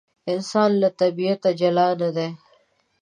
انسان له طبیعته جلا نه دی.